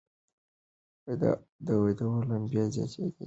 د اور لمبې زیاتېدلې.